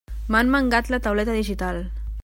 M'han mangat la tauleta digital!